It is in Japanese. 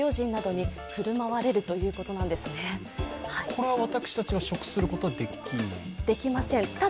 これは私たちは食することはできないんですか？